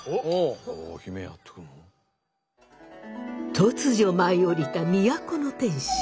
突如舞い降りた都の天使。